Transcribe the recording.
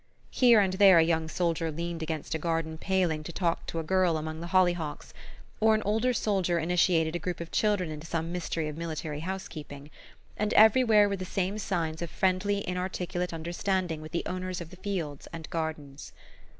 Here and there a young soldier leaned against a garden paling to talk to a girl among the hollyhocks, or an older soldier initiated a group of children into some mystery of military housekeeping; and everywhere were the same signs of friendly inarticulate understanding with the owners of the fields and gardens.